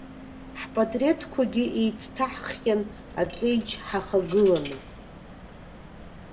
Ҳпатреҭқәагьы еицҭаҳххьан аҵеиџь ҳахагыланы.